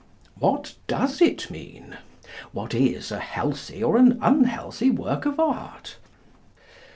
What does it mean? What is a healthy, or an unhealthy work of art?